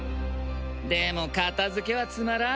でも片付けはつまらん！